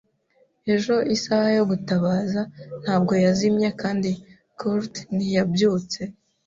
Ejo isaha yo gutabaza ntabwo yazimye kandi Kurt ntiyabyutse.